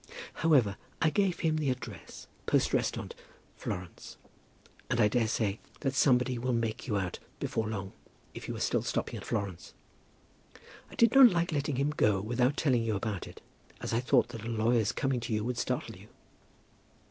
However, I gave him the address, poste restante, Florence, and I daresay that somebody will make you out before long, if you are still stopping at Florence. I did not like letting him go without telling you about it, as I thought that a lawyer's coming to you would startle you.